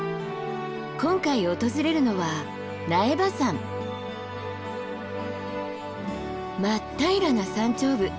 今回訪れるのは真っ平らな山頂部。